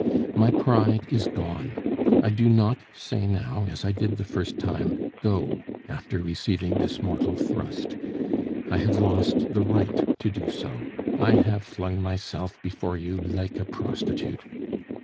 My pride is gone; I do not say now, as I did the first time, 'Go!' after receiving this mortal thrust. I have lost the right to do so. I have flung myself before you like a prostitute.